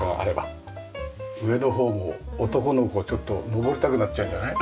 上の方も男の子ちょっと上りたくなっちゃうんじゃない？